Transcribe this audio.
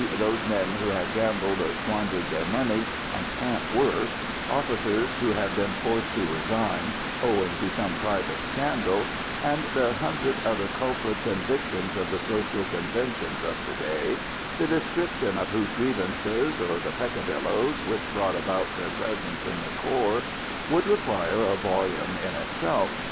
e._ those men who have gambled or squandered their money and can't work; officers who have been forced to resign owing to some private scandal; and the hundred other culprits and victims of the social conventions of to day, the description of whose grievances, or the peccadilloes which brought about their presence in the corps, would require a volume in itself.